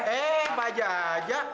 eh pak jajak